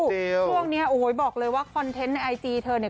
ช่วงนี้โอ้โหบอกเลยว่าคอนเทนต์ในไอจีเธอเนี่ย